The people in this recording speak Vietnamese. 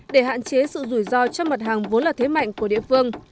để hạn chế sự rủi ro cho mặt hàng vốn là thế mạnh của địa phương